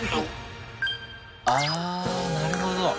あなるほど。